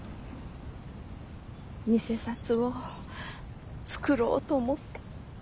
偽札を作ろうと思って。